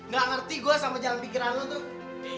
gak ngerti gue sama jalan pikiran lo tuh